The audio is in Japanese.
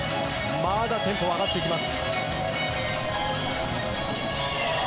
まだテンポは上がっていきます。